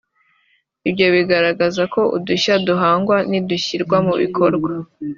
Ibyo bigaragaza ko udushya duhangwa nidushyirwa mu bikorwa